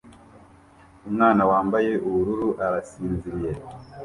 Umwana wambaye ubururu arasinziriye